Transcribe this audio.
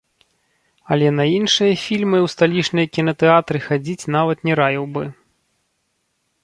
Але на іншыя фільмы ў сталічныя кінатэатры хадзіць нават не раіў бы.